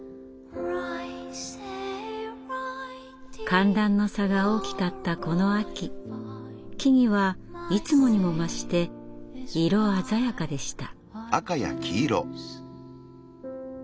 寒暖の差が大きかったこの秋木々はいつもにも増して色鮮やかでした。